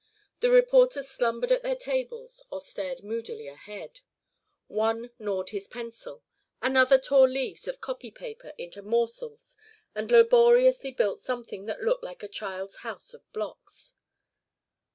The reporters slumbered at their tables or stared moodily ahead. One gnawed his pencil; another tore leaves of copy paper into morsels and laboriously built something that looked like a child's house of blocks.